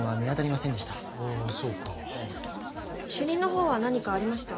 主任のほうは何かありました？